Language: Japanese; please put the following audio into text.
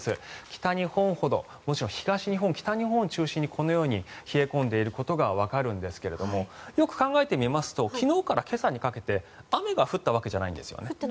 北日本ほど東日本、北日本を中心にこのように冷え込んでいることがわかるんですがよく考えてみますと昨日から今朝にかけて雨が降ったわけじゃないんですよね。